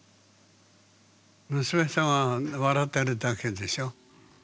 娘さんは笑ってるだけでしょ。